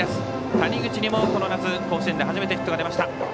谷口にもこの夏、甲子園で初めてヒットが出ました。